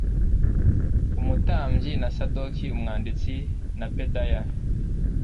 umutambyi na sadoki umwanditsi na pedaya